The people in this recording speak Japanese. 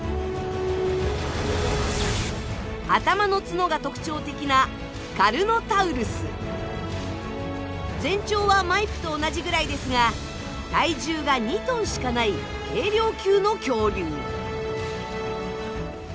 頭の角が特徴的な全長はマイプと同じぐらいですが体重が２ｔしかない軽量級の恐竜。